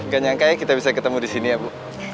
gak nyangka ya kita bisa ketemu disini ya bu